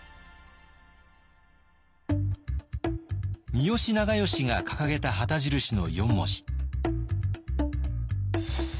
三好長慶が掲げた旗印の４文字。